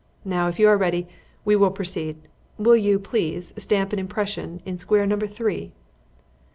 Now, if you are ready, we will proceed. Will you, please, stamp an impression in square number three."